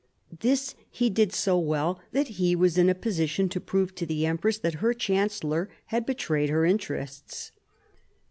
This he did so well that he was in a position to prove to the Empress that her chancellor had betrayed her interests.